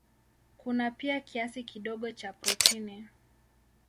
Kuna pia kiasi kidogo cha protini.